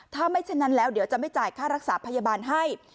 ถ้าไม่ฉะนั้นแล้วเดี๋ยวจะไม่จ่ายค่ารักษาพยาบาลให้